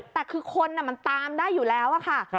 แต่คือคนมันตามได้อยู่แล้วค่ะ